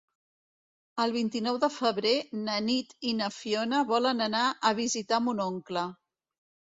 El vint-i-nou de febrer na Nit i na Fiona volen anar a visitar mon oncle.